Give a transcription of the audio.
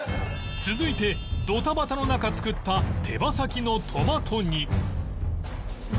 続いてドタバタの中作った手羽先のトマト煮